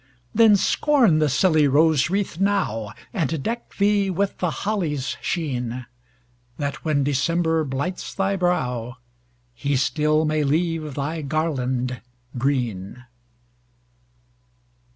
Then, scorn the silly rose wreath now, And deck thee with the holly's sheen, That, when December blights thy brow, He still may leave thy garland green.